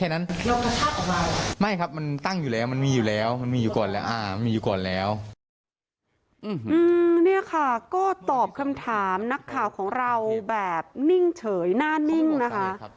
นี่ค่ะก็ตอบคำถามนักข่าวของเราแบบนิ่งเฉยหน้านิ่งนะคะ